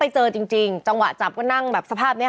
เต็มคาราเบล